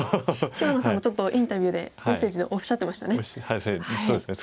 芝野さんもちょっとインタビューでメッセージでおっしゃってましたね。